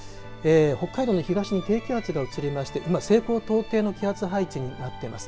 北海道の東の低気圧が移りまして今、西高東低の気圧配置になっています。